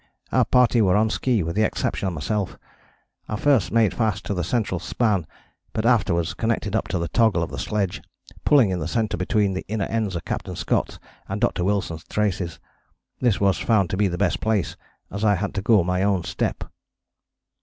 Our party were on ski with the exception of myself: I first made fast to the central span, but afterwards connected up to the toggle of the sledge, pulling in the centre between the inner ends of Captain Scott's and Dr. Wilson's traces. This was found to be the best place, as I had to go my own step.